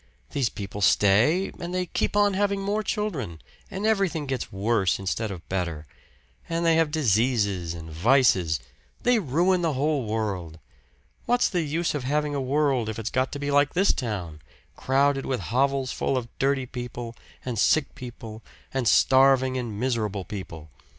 These people stay, and they keep on having more children, and everything gets worse instead of better; and they have diseases and vices they ruin the whole world. What's the use of having a world if it's got to be like this town crowded with hovels full of dirty people, and sick people, and starving and miserable people?